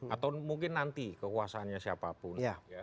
atau mungkin nanti kekuasaannya siapapun